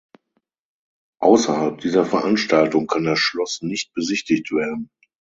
Außerhalb dieser Veranstaltung kann das Schloss nicht besichtigt werden.